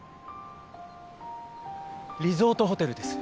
リゾートホテルです。